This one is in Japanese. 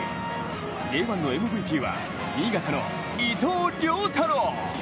Ｊ１のＭＶＰは新潟の伊藤涼太郎。